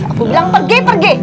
aku bilang pergi pergi